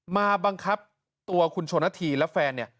มาบังคับตัวคุณโฉนนาธีและแฟน